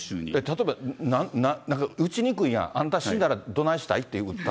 例えば、打ちにくいやん、あんた死んだらどないしたいって言ったわけ？